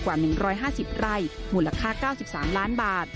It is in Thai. กว่า๑๕๐ไร่มูลค่า๙๓ล้านบาท